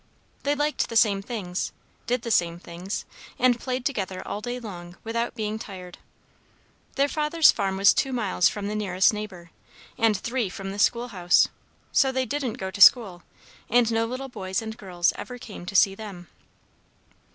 They liked the same things, did the same things, and played together all day long without being tired. Their father's farm was two miles from the nearest neighbor, and three from the schoolhouse; so they didn't go to school, and no little boys and girls ever came to see them.